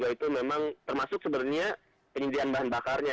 itu memang termasuk sebenarnya penyediaan bahan bakarnya